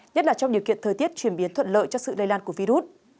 nhất là trong điều kiện thời tiết chuyển biến thuận lợi cho sự lây lan của virus